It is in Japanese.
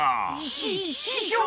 しししょう！